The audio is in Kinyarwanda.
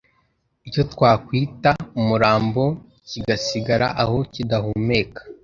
icyo twakwita umurambo kigasigara aho kidahumeka